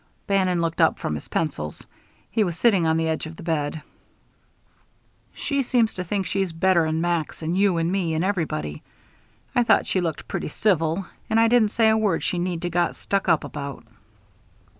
Bannon looked up from his pencils; he was sitting on the edge of the bed. "She seems to think she's better'n Max and you and me, and everybody. I thought she looked pretty civil, and I didn't say a word she need to have got stuck up about."